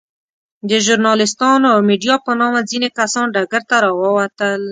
د ژورناليستانو او ميډيا په نامه ځينې کسان ډګر ته راووتل.